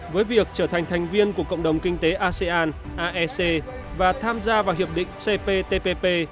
với việc trở thành thành viên của cộng đồng kinh tế asean aec và tham gia vào hiệp định cptpp